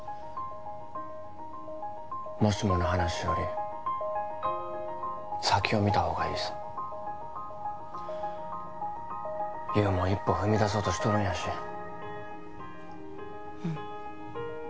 「もしも」の話より先を見た方がいいさ優も一歩踏み出そうとしとるんやしうん